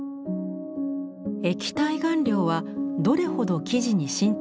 液体顔料はどれほど生地に浸透しやすいのか。